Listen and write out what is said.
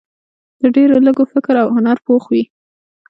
د ډېرو لږو فکر او هنر پوخ وي.